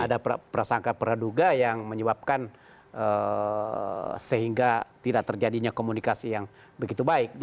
ada prasangka praduga yang menyebabkan sehingga tidak terjadinya komunikasi yang begitu baik